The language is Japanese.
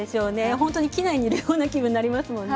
本当に機内にいるような気分になります。